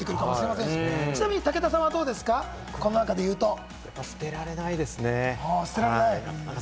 ちなみに武田さんはどうです捨てられないですね。